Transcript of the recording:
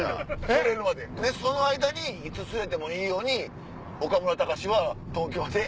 釣れるまででその間にいつ釣れてもいいように岡村隆史は東京で。